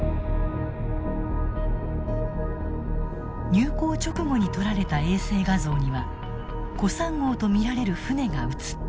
入港直後に撮られた衛星画像にはＫＯＳＡＮ号と見られる船が映っている。